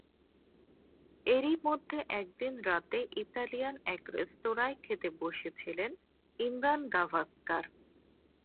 এরই মধ্যে একদিন রাতে ইতালিয়ান এক রেস্তোরাঁয় খেতে বসেছিলেন ইমরান গাভাস্কার।